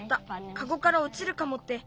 カゴからおちるかもって。